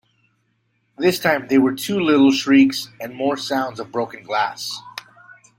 This time there were two little shrieks, and more sounds of broken glass.